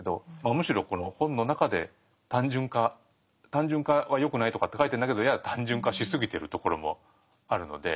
むしろこの本の中で単純化単純化はよくないとかって書いてるんだけどやや単純化しすぎてるところもあるので。